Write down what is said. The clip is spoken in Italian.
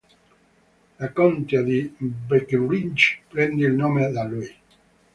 La contea di Breckinridge prende il nome da lui.